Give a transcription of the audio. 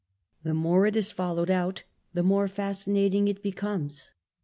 The more it is followed out, the more fascinating it becomes.